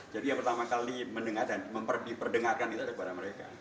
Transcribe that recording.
jadi yang pertama kali mendengar dan diperdengarkan itu adalah kepada mereka